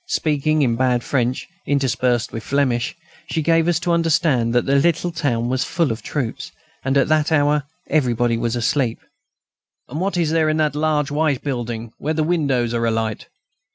Speaking in bad French, interspersed with Flemish, she gave us to understand that the little town was full of troops, and, at that hour, everybody was asleep. "And what is there in that large white building, where the windows are alight?"